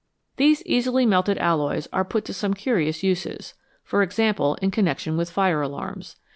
These easily melted alloys are put to some curious uses ; for example, in connection with fire alarms.